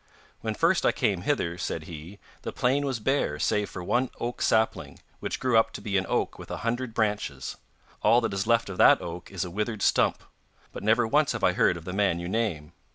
'When first I came hither,' said he, 'the plain was bare save for one oak sapling, which grew up to be an oak with a hundred branches. All that is left of that oak is a withered stump, but never once have I heard of the man you name.